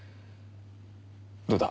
どうだ？